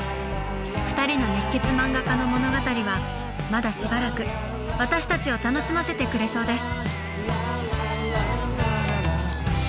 ２人の熱血漫画家の物語はまだしばらく私たちを楽しませてくれそうです。